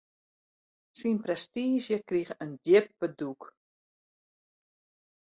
Syn prestiizje krige in djippe dûk.